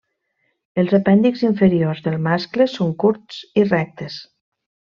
Els apèndixs inferiors del mascle són curts i rectes.